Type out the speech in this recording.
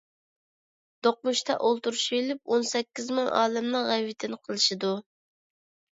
دوقمۇشتا ئولتۇرۇشۇۋېلىپ ئون سەككىز مىڭ ئالەمنىڭ غەيۋىتىنى قىلىشىدۇ.